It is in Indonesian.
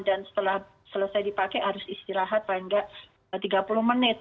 dan setelah selesai dipakai harus istirahat paling nggak tiga puluh menit